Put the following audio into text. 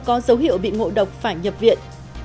có dấu hiệu bị ngộ độc phải nhập viện